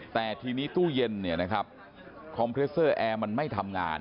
แต่ทีนี้ตู้เย็นคอมเพรสเซอร์แอร์มันไม่ทำงาน